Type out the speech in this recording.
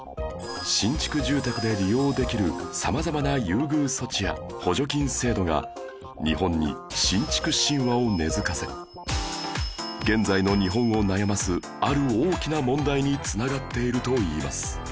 新築住宅で利用できるさまざまな優遇措置や補助金制度が日本に新築神話を根付かせ現在の日本を悩ますある大きな問題につながっているといいます